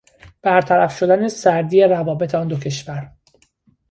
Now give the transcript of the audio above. برطرف شدن سردی روابط آن دو کشور